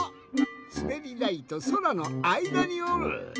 すべりだいとそらのあいだにおる。